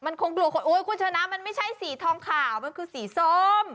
มันคงกลัวคนโอ๊ยคุณชนะมันไม่ใช่สีทองขาวมันคือสีส้ม